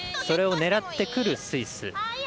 それを狙ってくるスイス。